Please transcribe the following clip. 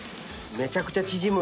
めちゃくちゃ縮む。